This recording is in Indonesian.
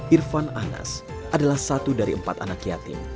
irfan anas adalah satu dari empat anak yatim